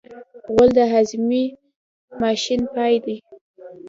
غول د هاضمې ماشین پای دی.